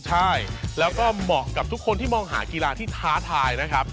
ใช่แล้วก็เหมาะกับทุกคนที่มองหากีฬาที่ท้าทายนะครับ